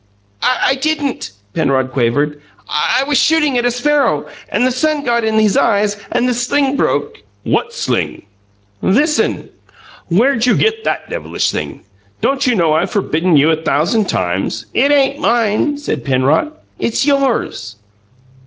"I didn't!" Penrod quavered. "I was shooting at a sparrow, and the sun got in his eyes, and the sling broke " "What sling?" "This'n." "Where'd you get that devilish thing? Don't you know I've forbidden you a thousand times " "It ain't mine," said Penrod. "It's yours."